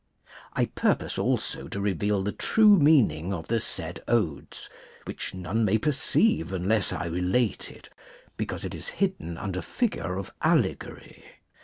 I purpose also to reveaT the true meaning of the said odes, which none may perceive unless I relate it, because it is hidden under figure of allegory.